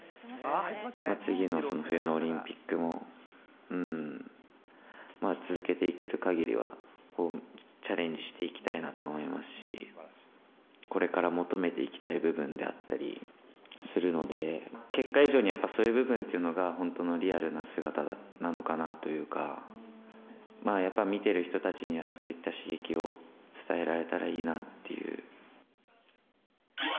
次の冬のオリンピックも、続けていけるかぎりは、チャレンジしていきたいなと思いますし、これから求めていきたい部分であったりするので、結果以上にやっぱそういう部分っていうのが本当のリアルな姿なのかなというか、見てる人たちには、そういった刺激を伝えられたらいいなっていう。